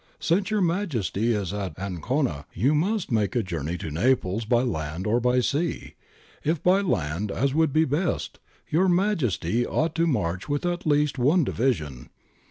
... Since Your Majesty is at Ancona, you must make the journey to Naples by land or by sea. If by land, as would be best. Your Majesty ought to march with at least one division.